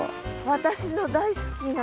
私の大好きな。